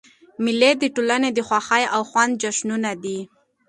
مېلې د ټولني د خوښیو او خندا جشنونه دي.